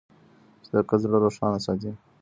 صداقت زړه روښانه ساتي.